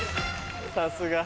さすが。